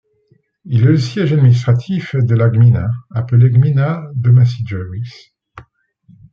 Il est le siège administratif de la gmina appelée gmina de Maciejowice.